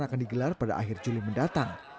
akan digelar pada akhir juli mendatang